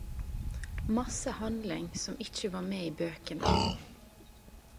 Masse handling som ikkje var med i bøkane.